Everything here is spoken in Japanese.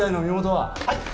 はい！